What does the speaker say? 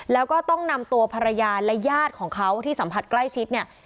แล้วก็ต้องนำตัวภรรยาและญาติของเขาที่สัมผัสใกล้ชิดเนี่ย